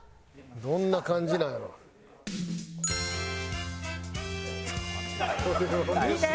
どんな感じなんやろう？いいね！